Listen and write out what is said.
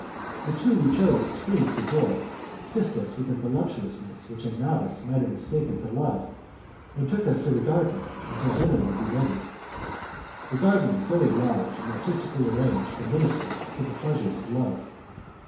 The two we chose screamed for joy, kissed us with a voluptuousness which a novice might have mistaken for love, and took us to the garden until dinner would be ready. That garden was very large and artistically arranged to minister to the pleasures of love.